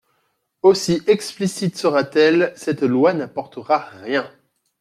Aussi explicite sera-t-elle, cette loi n’apportera rien.